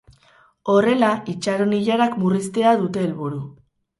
Horrela, itxaron-ilarak murriztea dute helburu.